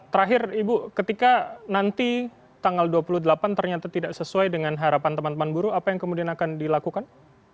terakhir ibu ketika nanti tanggal dua puluh delapan ternyata tidak sesuai dengan harapan teman teman buruh apa yang kemudian akan dilakukan